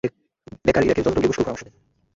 বেকার ইরাকে George W বুশকেও পরামর্শ দেন।